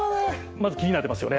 まず気になってますよね